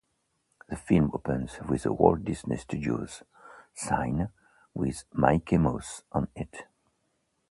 The film opens with the Walt Disney Studios sign with Mickey Mouse on it.